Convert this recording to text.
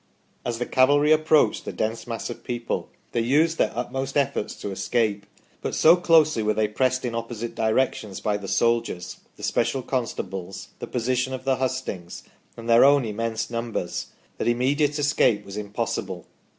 " As the cavalry approached the dense mass of people they used their utmost efforts to escape, but so closely were they pressed in opposite directions by the soldiers, the special constables, the position of the hustings, and their own immense numbers that immediate escape was impossible.